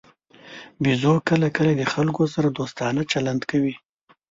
بیزو کله کله د خلکو سره دوستانه چلند کوي.